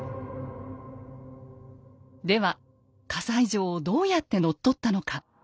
では西城をどうやって乗っ取ったのか。